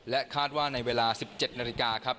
คาดว่าในเวลา๑๗นาฬิกาครับ